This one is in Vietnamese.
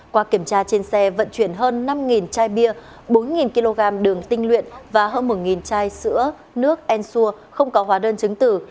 qua kiểm tra trên xe vận chuyển hơn năm chai bia bốn kg đường tinh luyện và hơn một chai sữa nước ensur không có hóa đơn chứng tử